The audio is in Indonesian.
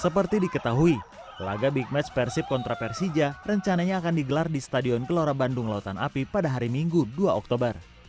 seperti diketahui laga big match persib kontra persija rencananya akan digelar di stadion kelora bandung lautan api pada hari minggu dua oktober